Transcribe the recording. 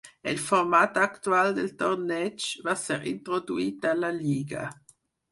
El format actual del torneig va ser introduït a la lliga.